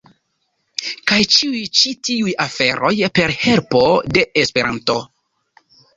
Kaj ĉiuj ĉi tiuj aferoj per helpo de Esperanto.